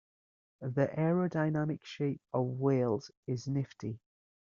The aerodynamic shape of whales is nifty.